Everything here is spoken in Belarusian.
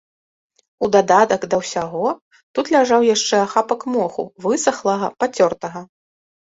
У дадатак да ўсяго, тут ляжаў яшчэ ахапак моху, высахлага, пацёртага.